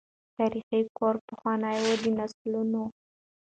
تاریخي کور پخوانی وو د نسلونو